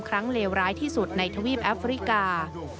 เลวร้ายที่สุดในทวีปแอฟริกา